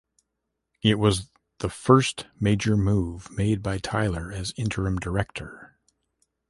It was the first major move made by Tyler as interim director.